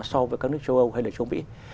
so với các nước châu âu hay là châu mỹ